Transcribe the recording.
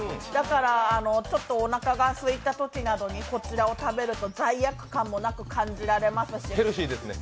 だから、ちょっとおなかがすいたときにこちらを食べると罪悪感もなく感じられますし。